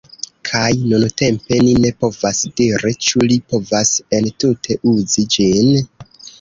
Kaj nuntempe ni ne povas diri ĉu li povas entute uzi ĝin